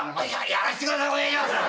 やらしてください。